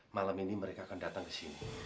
malam ini mereka akan datang ke sini